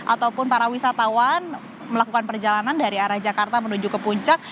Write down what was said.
ataupun para wisatawan melakukan perjalanan dari arah jakarta menuju ke puncak